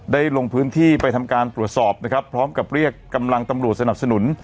ลงพื้นที่ไปทำการตรวจสอบนะครับพร้อมกับเรียกกำลังตำรวจสนับสนุน